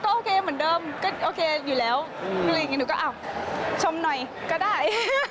ก็โอเคเหมือนเดิมก็โอเคอยู่แล้วอะไรอย่างนี้หนูก็อ้าวชมหน่อยก็ได้